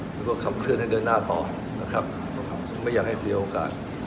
แล้วก็ขับเคลื่อนให้เดินหน้าต่อนะครับไม่อยากให้เสียโอกาส